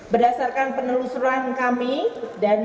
berdasarkan penelusuran kami dan